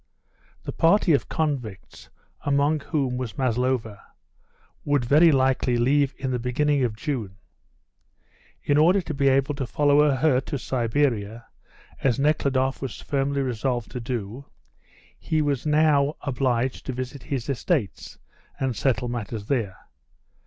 The party of convicts, among whom was Maslova, would very likely leave in the beginning of June. In order to be able to follow her to Siberia, as Nekhludoff was firmly resolved to do, he was now obliged to visit his estates, and settle matters there.